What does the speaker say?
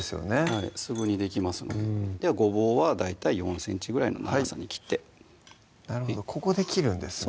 はいすぐにできますのでごぼうは大体４ｃｍぐらいの長さに切ってここで切るんですね